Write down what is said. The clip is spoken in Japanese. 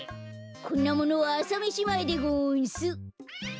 こんなものはあさめしまえでごんす。